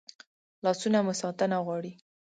لاسونه مو ساتنه غواړي